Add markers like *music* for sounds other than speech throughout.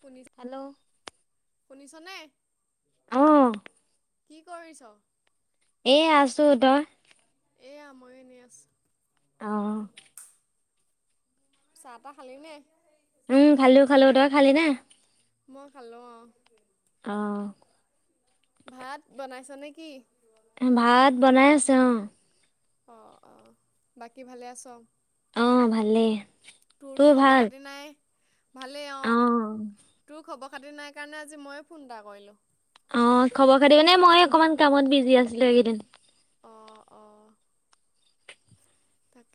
শুনি- হেল্লো' শুনিছনে। অঁ। কি কৰিছ? এ আছো, তই? এয়া মই এনে আছো। অঁ' চাহ তাহ খালিনে? উম খালো খালো। তই খালি নে? মই খালো অঁ'। অঁ' ভাত বনাইছ নে কি? ভাত বনাই আছে। অঁ' অঁ অঁ বাকী ভালে আছ? অঁ' ভালেই। তোৰতো তোৰ খবৰ ভাল খাতি নাই। ভালেই অ, তোৰ খবৰ খাতি নাই। সেই কাৰণে আজি মইে ফোন এটা কৰিলো। অ খবৰ খাতি এনে মই অকমান কামত বিজি আছিলো এইকেইদিন। অঁ অঁ।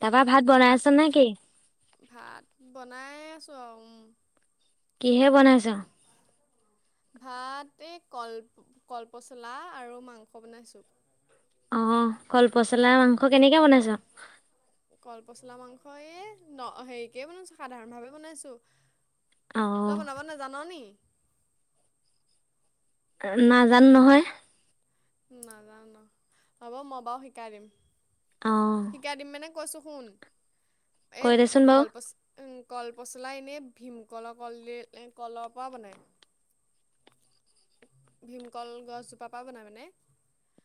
তাৰপা ভাত বনাই আছ নেকি? ভাত বনাই আছোঁ আৰু উম। কিহে বনাইছা? ভাত এই কল কলপচলা আৰু মাংস বনাইছোঁ। অঁ কলপচলা তাপ মাংস কেনেকৈ বনাইছ? কলপচলা মাংস এই ন হেৰিকেই বনাইছো সাধাৰণভাৱে বনাইছোঁ। অ তই বনাব নেজান নি? নাজানো নহয়। নাজানো ন হ'ব মই বাৰু শিকাই দিম অ শিকাই দিম মানে- কৈছো শুন, এ কৈ দেচোন বাৰু কলপচলা- উম কল পচলা এনেই ভীমকলৰ কল দিল এ কলৰ পৰা বনায়। ভীমকল গছজোপা পৰা বনাই মানে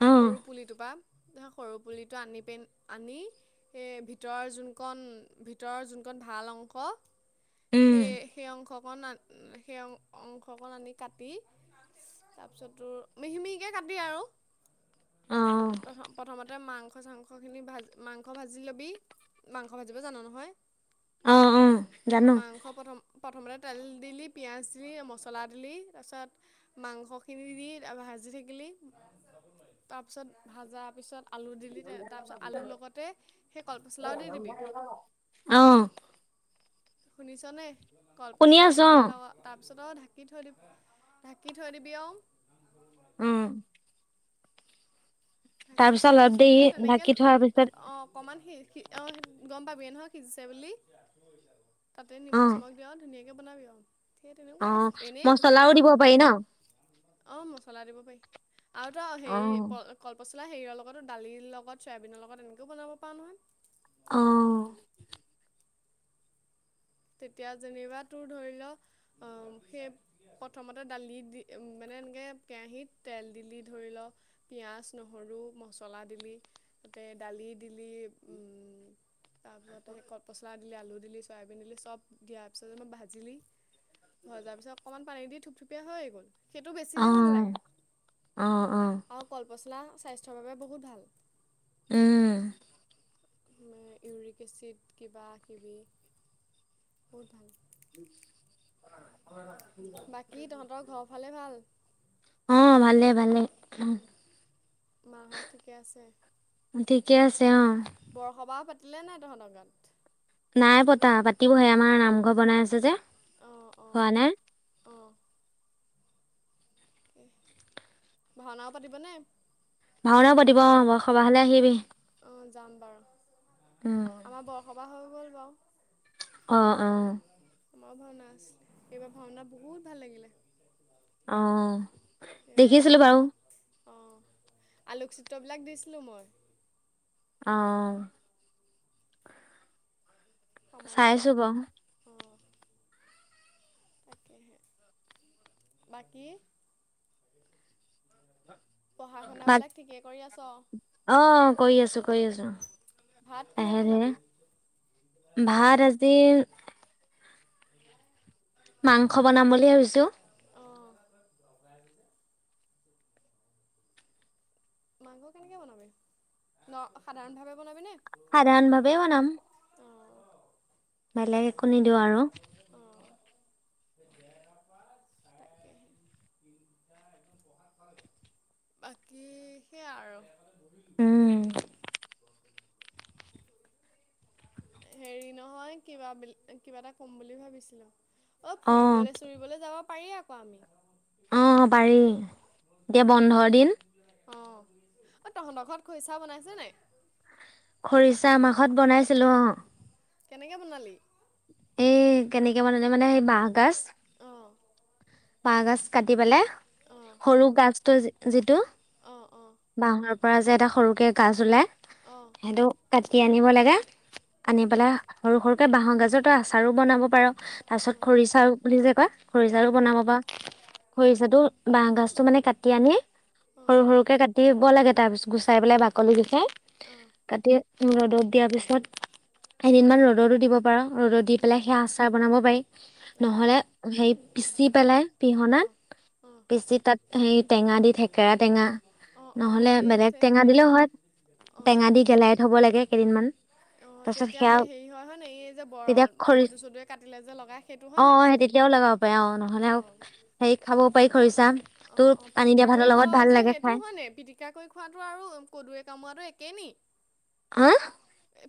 অ সৰু পুলিটো পা। ধৰ সৰু পুলিটো আনি পিন আনি- সেই ভিতৰৰ যোনকণ ভিতৰৰ যোনকণ ভাল অংশ। উম সেই সেই অংশকণ সেই অংশকণ আনি কাটি। তাৰ পিছত তোৰ মিহি মিহিকে কাটি আৰু। অ প্ৰ প্ৰথমতে মাংস চাংসখিনি ভাজি মাংস ভাজি ল'বি। মাংস ভাজিব জান নহয় অ অ জানো মাংস প্ৰথম। প্ৰথমতে তেল দিলি পিঁয়াজ দিলি মছলা দিলি তাৰপিছত, মাংসখিনি দি ত ভাজি থাকিলি তাৰপিছত ভাজাৰ পিছত। আলু দিলি তাৰপিছত আলুৰ লগতে সেই কলপচলাও দি দিবি। অ শুনিছ নে শুনি কলপচলা দি আছো দিয়া অ লগত, তাৰপিছত আৰু ঢাকি থৈ দিব ঢাকি থৈ দিবি আৰু উম তাৰ ঢাকি থোৱাৰ অলপ পিছত দেৰি সেই তেনেকে ঢাকি থোৱাৰ পিছত অ অকণমান শেষ অঁ গম পাবিয়ে নহয় সিজিছে বুলি। তাতে অ নিমখ চিমখ দি আৰু ধুনীয়াকে বনাবি আৰু সেই অ তেনেকুৱা এনেই মচলাও সাধাৰণ দিব পাৰি ন অ মচলা দিব পাৰি আৰু তই অ হেৰি কল পচলা হেৰিৰ লগতো দালিৰ লগত চয়াবিনৰ লগত এনেকৈও বনাব পাওঁ অ নহয়। তেতিয়া যেনিবা তোৰ ধৰি লও উম সেই প্ৰথমতে দালি দি মানে এনেকে কেৰাহীত তেল দিলি ধৰি লওক, পিঁয়াজ নহৰু মছলা দিলি। তাতে দালি দিলি। তাৰপিছত সেই কল পচলা দিলে আলু দিলি চয়াবিন দিলি চব দিয়াৰ পিছতে ভাজিলি। ভজাৰ পিছত অকণমান পানী দি থুপথুপিয়া হৈ গ'ল। সেইটো অ বেছিহে ভাল লাগে অ অ আৰু কলপচলা স্বাস্থ্যৰ বাবে বহুত ভাল। উম ইউৰিক এচিড কিবা কিবি বহুত ভাল। বাকী তহঁতৰ ঘৰৰ ফালে ভাল *inaudible* অ ভালে ভালে। মাহঁত ঠিকে আছে ঠিকে আছে অ বৰসবাহ পাতিলে নাই তহঁতৰ গাওঁত। নাই পতা পাতিবহে আমাৰ নামঘৰ বনাই আছে যে। অ অ হোৱা নাই। অঁ ভাওনাও পাতিবনে। ভাওনাও পাতিব অ বৰসবাহ হলে অঁ আহিবি অঁ যাম বাৰু উম। আমাৰ বৰসবাহ হৈ গ'ল বাৰু অঁ অঁ আমাৰো ভাওনা আছিল এইবাৰ ভাওনা বহুত ভাল লাগিলে। অ এইবাৰ দেখিছিলো বাৰু অঁ আলোকচিত্ৰবিলাক দিছিলোঁ মই। অ সমাজ চাইছো মাধ্যম। বাৰু অঁ তাকেহে বাকী। পঢ়া বাক শুনাবিলাক ঠিকে কৰি আছ। অ কৰি আছো কৰি আছো ভাত কিহে লাহে ধীৰে বনাবি। ভাত আজি *unintelligible* মাংস বনাম বুলি ভাবিছোঁ। অৱ। মাংস কেনেকৈ বনাবি ন সাধাৰণভাৱে বনাবিনে? সাধাৰণ ভাবেই বনাম। অৱ। বেলেগ একো নিদিওঁ আৰু। অৱ, তাকেহে বাকী সেয়ে উম আৰু। হেৰি নহয় কিবা কিবা এটা ক'ম বুলি ভাবিছিলো। অ ফুৰিবলৈ চুৰিবলৈ যাব পাৰি আকৌ আমি। অৱ পাৰি এতিয়া বন্ধৰ দিন। অৱ অ তহঁতৰ ঘৰত খৰিচা বনাইছে নাই? খৰিচা আমাৰ ঘৰত বনাইছিলো অৱ। কেনেকে বনালি? এই কেনেকে মানে মানে সেই বাঁহগাজ অৱ। বাঁহগাছ কাটি পেলাই। অৱ। সৰু গাছটো যিটো অঁ বাঁহৰ পৰা যে এটা সৰুকে গছ ওলাই। অৱ। সেইটো কাটি আনিব লাগে অঁ আনি পেলাই সৰু সৰুকে বাঁহৰ গাজৰ তই আচাৰো বনাব পাৰ। তাৰ পিছত অঁ খৰিচা বুলি যে কয় অঁ খৰিচাউও বনাব খৰিচাটো বাহ গছটো মানে কাটি আনি সৰু সৰু কাটিব লাগে তাৰ পিছ গুচাই পেলাই বাকলি খিনি অৱ। কাটি ৰ'দত দিয়াৰ পিছত কেইদিন মান ৰ'দতো দিব পাৰা ৰ'দত দি উম, পেলাই সেয়া আ বনাব পাৰি অ', নহ'লে সে পিচি পেলাই অ', পিহনাত অ', পিচি তাত সেই টেঙা দি থেকেৰা টেঙা অ', নহ'লে অ', এই বেলেগ টেঙা দিলেও হেৰি হয়। অ', টেঙা দি গেলাই থ'ব লাগে কেইদিনমান অ তাৰপিছত তেতিয়া সেয়া সেই হেৰি হয় হয় নে এই যে তেতিয়া বৰল খৰি কদু চদুয়ে কাটিলে যে লগাই সেইটো হয় অ অ' নাই! সেই তেতিয়াও লগাব পাৰি। নহ'লে আৰু অ', হেৰিত খাব পাৰি খৰিছা। অ অ পিটিকা কৰিও খাৱা হয় যে সেইটোও হয় নেকি? পিটিকা কৰি খোৱাটো আৰু কদু কামোৱাটো একেই নেকি? হা?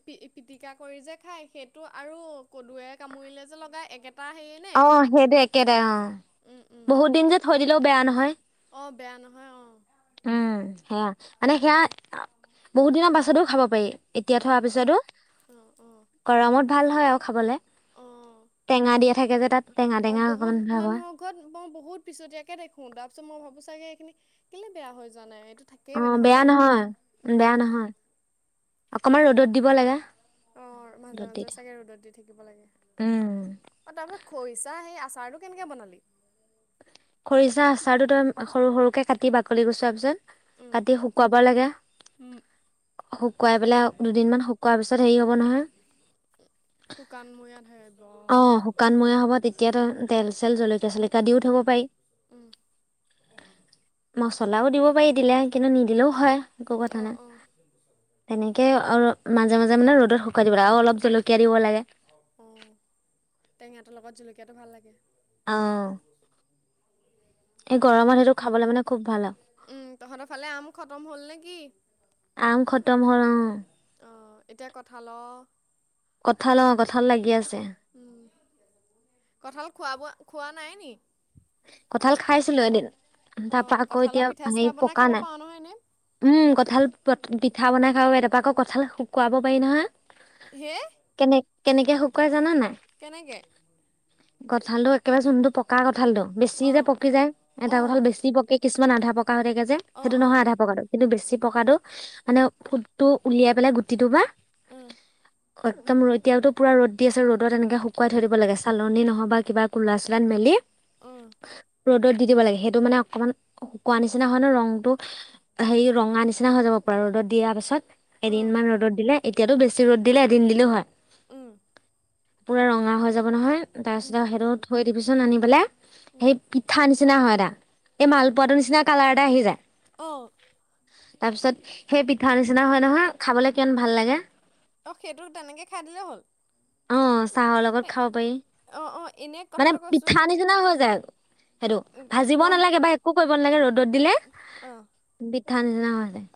পি পিটিকা কৰি যে খায় সেইটো আৰু কদুৱে কামুৰিলে যে লগাই একেটা সেই অ সেইটো একেটাই অ উম, বহুত দিন যে থৈ দিলেও বেয়া নহয়। অ বেয়া নহয় অৱ। উম সেয়া মানে সেয়া বহুত দিনৰ পাছতো খাব পাৰি। এতিয়া থোৱাৰ অ', পিছতো অ', অ', গৰমত ভাল হয় আৰু খাবলে। অ'। টেঙা দিয়া থাকে যে তাত টেঙা অ টেঙা বহুত অকমান ভাব হয়। মানুহৰ মই বহুত পিছতীয়াকে দেখোঁ তাৰপিছত মই ভাবোঁ চাগে এইখিনি কেলে বেয়া হৈ যোৱা নাই এইটো থাকেই অ মানে বেয়া হয়নে নহয় বেয়া উম নহয় অকমান ৰ'দত দিব লাগে। অৱ মাজে ৰ'দত দি মাজে থাক চাগে ৰ'দত দি থাকিব লাগে। উম অ তাৰপিছত খৰিচা সেই আচাৰটো কেনেকে বনালি খৰিচা আচাৰটো তই সৰু সৰুকে কাটি বাকলি গুচোৱাৰ পিছত উম কাটি শুকুৱাব লাগে উম শুকুৱাই পেলাই দুদিন মান শুকোৱাৰ পিছত হেৰি হ'ব নহয় শুকান ময়াহে অ শুকানময়া হ'ব তেতিয়াতো তেল চেল জলকীয়া চলকীয়া দিও থব পাৰি উম মচলাও দিব পাৰি দিলে কিন্তু নিদিলেও হয় একো অ কথা অ নাই তেনেকে আৰু মাজে মাজে মানে ৰ'দত শুকুৱাই দিব লাগে আৰু অলপ জলকীয়া দিব লাগে অ টেঙাটোৰ লগত জলকীয়াটো ভাল লাগে অহ তাকে সেইটো খাবলৈ মানে খুব ভাল আৰু উম তহঁতৰ ফালে আম খতম হ'ল নে কি আম খতম হ'ল অ আহ এতিয়া কঠালো কঁঠাল অ কঁঠাল লাগি আছে কঁঠাল খোৱা বোৱা খোৱা নাই নিকী কঁঠাল খাইছিলো এদিন অ তাৰ পৰা আকৌ কঁঠালৰ এতিয়া পিঠা চিঠা হেৰি বনাই পকা খাব নাই পাৰো নহয় এনে উম কঁঠাল পিঠা বনাই খাব এাৰপৰা আকৌ কঁঠাল শুকুৱাব পাৰি নহয় হে কেনে কেনেকে শুকুৱাই জানা নাই? কেনেকে কঁঠালটো একেবাৰে চোনটো পকা কঠাল টো বেছি অ যে পকি যায় এটা অ কঁঠাল বেছি পকে কিছু কিছুমান আধা পকা হৈ থাকে যে অ সেইটো অ নহয় আধা পকাটো কিন্তু বেছি পকাটো মানে উম ফু তটো উলিয়াই পেলাই গুটিটো বা উ একদম এতিয়াওটো পূৰা ৰ'দ দি আছে ৰ'দত এনেকৈ শুকুৱাই থৈ দিব লাগে চালনী নহয় বা কিবা ক'লা চলাত মেলি অঁ ৰ'দত দি দিব লাগে সেইটো মানে অকণমান শুকোৱা নিচিনা হয় ন ৰংটো হেৰি ৰঙা নিচিনা হৈ যাব পৰা ৰ'দত দিয়াৰ পাছত উম এদিন মান ৰ'দত দিলে এতিয়াতো বেছি ৰ'দ দিলে এদিন দিলেও হয় উম পুৰা ৰঙা হৈ যাব নহয় উম তাৰপিছত আৰু সেইটো থৈ দিবিচোন আনি পেলে উম সেই পিঠা নিচিনা হয় এটা এই মালপোৱাটোৰ নিচিনা কালাৰ এটা আহি যায় অঁহ তাৰ পিছত সেই পিঠা নিচিনা হয় নহয় খাবলে কিমান ভাল লাগে অ সেইটো তেনেকে খাই দিলে হ'ল অ চাহৰ লগত এ খাব পাৰি অ অ এনে মানে কথাটো কৈছো পিঠা নি নিচিনা হৈ যায় আৰু সেইটো ভাজিব গম নালাগে বা একো কৰিব নালাগে ৰ'দত দিলে অ বি থান ন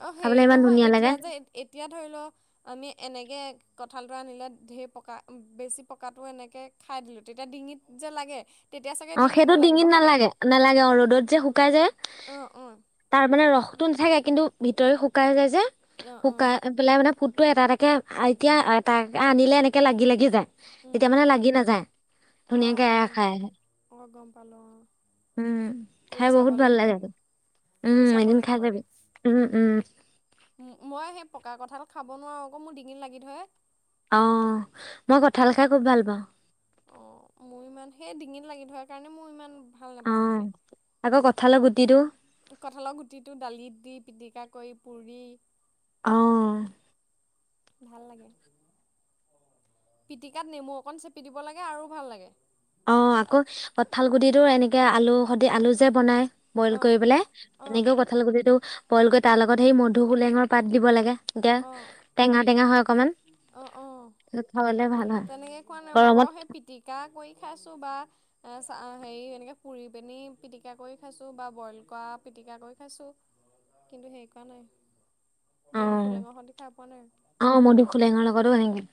অ হেৰি নহয় এতিয়া যে এতিয়া ধৰি লও আমি এনেকৈ কঁঠালডৰা আনিলে ঢেৰ পকা বেছি পকাটো এনেকে খাই দিলো তেতিয়া ডিঙিত যে লাগে তেতিয়া চাগে অ সেইটো নালাগিব ডিঙিত হয়নে নালাগে নালাগে অ ৰ'দত যে শুকাই যায় অ অ তাৰ মানে ৰসতটো নাথাকে কিন্তু ভিতৰে শুকাই হৈ যায় যে অ অ শুকাই পেলাই মানে ফুডতটো এটা এটাকে এতিয়া এ তাক আনিলে এনেকে লাগি লাগি যায় তেতিয়া মানে লাগি নাযায় অঁ ধুনীয়াকে এৰা অঁ খাই আহে ম গম পালোঁ অঁ উম কৰি খাই চাব বহুত ভাল লাগিব লাগে এদিন কৈ উম চাব খাই লাগিব যাবি এদিন উম উম মই সেই পকা কঁঠাল, খাব নোৱাৰোঁ আকৌ মোৰ ডিঙিত লাগি ধৰে অ মই কঠাল খাই খুব ভাল পাওঁ অঁ মোৰ ইমান সেই ডিঙিত লাগি ধৰে কাৰণে মই ইমান ভাল অ নোপাওঁ মানে আকৌ কঠালৰ গুটিটো কঁঠালৰ, গুটিটো দালিত দি, পিটিকা কৰি, পুৰি অঁ ভাল লাগে পিটিকাত নেমু, অকণ চেপি দিব লাগে আৰু ভাল লাগে অঁ আকৌ কঁঠাল, গুডটিটো এনেকৈ আলু সদ আলু যে বনায় বইল অঁ কৰি পেলাই অঁ তেনেকেও কঁঠাল গুটটো বইল কৰি তাৰ লগত সেই মধু বোলেঙৰ পাত দিব লাগে এতিয়া অঁ টেঙা টেঙা হয়। অকমান অঁ অঁ খাবলে ভাল হয়। গৰমত পিতিকা কৰি খাইছোঁ বা হেৰি এনেকে পুৰি পিনি পিটিকা কৰি খাইছো বা বইল কৰা পিটিকা কৰি খাইছোঁ কিন্তু সে কৰানাই অ মধুসু লেঙৰ সতে খাই পোৱা নাই অ মধু খোলেঙৰ লগতোঅনেকে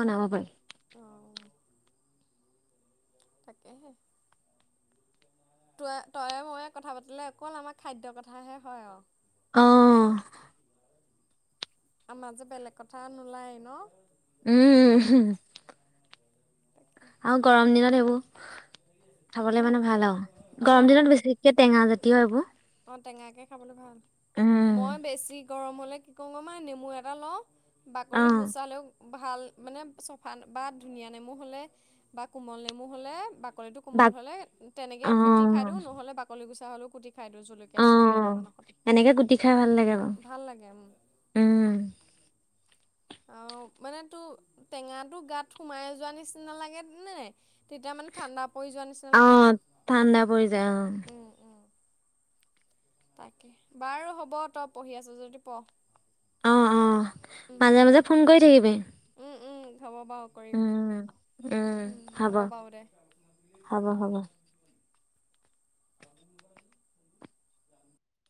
বনাব পাৰি অ তাকেহে তই তইে ময়ে কথা পাতিলে অকল আমাৰ খাদ্যৰ কথাহে হয় অ অঁ আমাৰ যে বেলেগ কথা নোলায় ন উম আৰু গৰম দিনত এইবোৰ খাবলে হুম, মানে ভাল আৰু গৰম দিনত বেছিকে টেঙা জাতি হয়। এইবোৰ অঁ টেঙাকে খাবলৈ ভাল মই উম বেছি গৰম হ'লে কি কৰওঁ গ মা নেমু এটা লওঁ বাকলি অ গোচালেও ভাল মানে চফা বা ধুনীয়া নেমু হ'লে বা কোমল নেমু হ'লে বাকৰিটো- কোমল বাক হলে তেনেকে অ কুটি খাই দিওঁ নহ'লে বাকলি গুচা হ'লেও কুটি খাই দিওঁ জলকীয়া, অ চলকীয়া। অকণমানৰ সৈতে। এনেকে গুটি খাই ভাল লাগে বাৰু ভাল লাগে উম। উম আৰু মানে তো টেঙাটো গাত সোমাই যোৱা নিচিনা লাগে নোই। তেতিয়া মানে ঠাণ্ডা পৰি যোৱা নিচিনা লাগে অ', ঠাণ্ডা পৰি যায় অ উম উম। তাকে বাৰু হ'ব তই পঢ়ি আছো যদি প উম উম ক কৰি থাকিবি। উম উম হ'ব বাৰু কৰিম উম হ'ব বাৰু দে হ'ব হ'ব আপোনাৰ